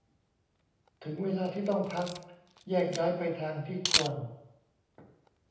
ถึงเวลาที่ต้องพัก แยกย้ายไปทางที่ควร